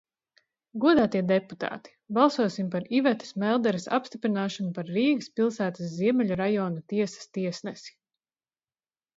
Godātie deputāti, balsosim par Ivetas Melderes apstiprināšanu par Rīgas pilsētas Ziemeļu rajona tiesas tiesnesi.